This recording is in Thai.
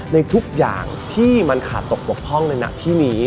ในทุกอย่างที่มันขาดตกบกพร่องในหน้าที่นี้